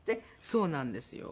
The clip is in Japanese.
そうなんですよ。